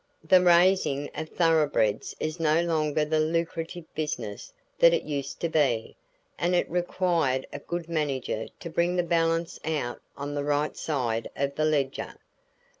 The raising of thorough breds is no longer the lucrative business that it used to be, and it required a good manager to bring the balance out on the right side of the ledger.